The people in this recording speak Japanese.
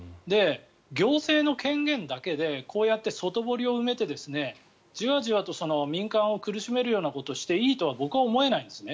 行政の権限だけでこうやって外堀を埋めてじわじわと民間を苦しめるようなことをしていいとは僕は思えないんです。